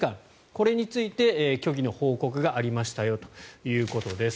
これについて虚偽の報告がありましたよということです。